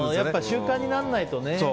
習慣にならないとね。